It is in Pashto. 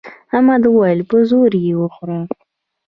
احمد وويل: په زور یې وخوره.